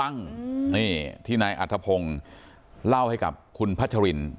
นี่ที่นายอัธพงศ์เล่าให้กับคุณพัชริน